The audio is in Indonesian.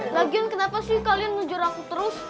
lagian kenapa sih kalian jujur aku terus